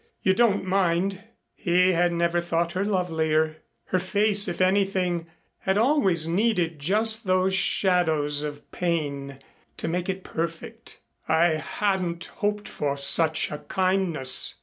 "You don't mind?" He had never thought her lovelier. Her face, if anything, had always needed just those shadows of pain to make it perfect. "I hadn't hoped for such a kindness.